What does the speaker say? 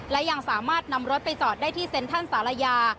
และยังสามารถนำรถไปจอดได้ที่เซ็นทรัลศาลายา